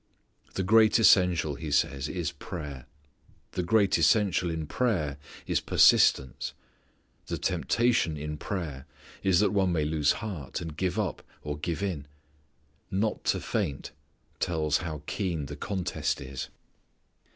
The great essential, He says, is prayer. The great essential in prayer is persistence. The temptation in prayer is that one may lose heart, and give up, or give in. "Not to faint" tells how keen the contest is.